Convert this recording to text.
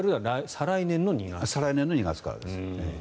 再来年の２月からです。